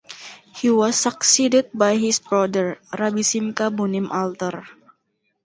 He was succeeded by his brother, Rabbi Simcha Bunim Alter.